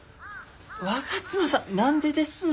我妻さん何でですの。